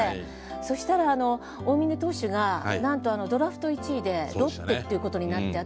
そしたら大嶺投手がなんとドラフト１位でロッテっていうことになって